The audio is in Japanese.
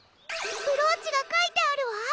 ブローチがかいてあるわ！